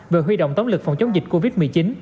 về huy động tống lực phòng chống dịch covid một mươi chín